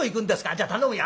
「じゃあ頼むよ」。